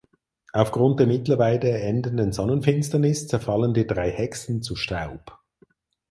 Aufgrund der mittlerweile endenden Sonnenfinsternis zerfallen die drei Hexen zu Staub.